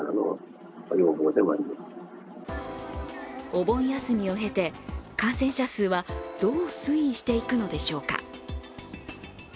お盆休みを経て、感染者数はどう推移していくのでしょうか。